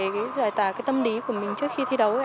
cái giải tả cái tâm lý của mình trước khi thi đấu